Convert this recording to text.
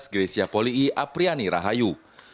gresia poli i apriani rahayu